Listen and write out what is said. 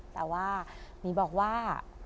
แต่ว่าหมีบอกว่า